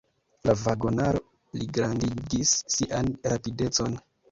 La vagonaro pligrandigis sian rapidecon.